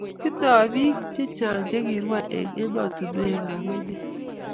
tingdoi biik che chang' che kirwai eng' emetunwekwak emet